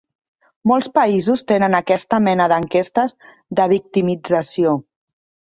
Molts països tenen aquesta mena d'enquestes de victimització.